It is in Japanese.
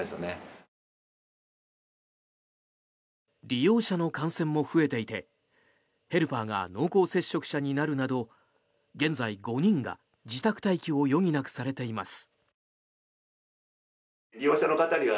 利用者の感染も増えていてヘルパーが濃厚接触者になるなど現在、５人が自宅待機を余儀なくされています。